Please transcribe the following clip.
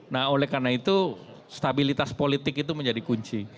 nah oleh karena itu stabilitas politik itu menjadi kunci